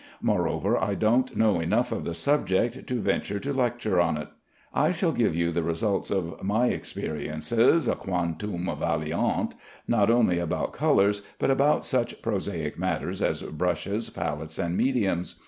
Moreover, I don't know enough of the subject to venture to lecture on it. I shall give you the results of my experiences (quantum valeant) not only about colors, but about such prosaic matters as brushes, palettes, and mediums.